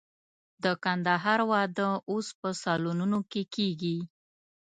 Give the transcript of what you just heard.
د کندهار واده اوس په سالونونو کې کېږي.